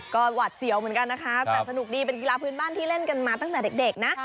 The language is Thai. ก็หวัดเสียวเหมือนกันนะคะแต่สนุกดีเป็นกีฬาพื้นบ้านที่เล่นกันมาตั้งแต่เด็กนะ